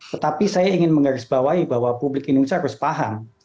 tetapi saya ingin menggarisbawahi bahwa publik indonesia harus paham